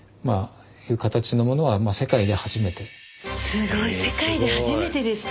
すごい世界で初めてですって！